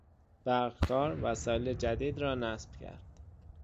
برقکار وسایل جدید را نصب کرد.